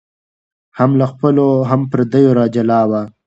هم له خپلو هم پردیو را جلا وه